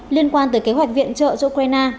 liên quan tới kế hoạch viện trợ cho ukraine